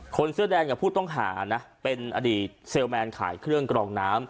เสื้อแดงกับผู้ต้องหานะเป็นอดีตเซลลแมนขายเครื่องกรองน้ำ